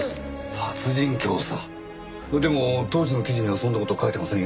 殺人教唆？でも当時の記事にはそんな事書いてませんよ。